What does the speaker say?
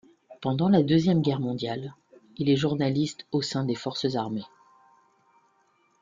Pendant la deuxième guerre mondiale, il est journaliste au sein des forces armées.